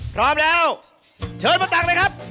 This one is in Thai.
พร้อมแล้วเชิญมาตักเลยครับ